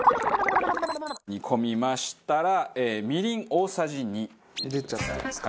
煮込みましたらみりん大さじ２。入れちゃっていいですか？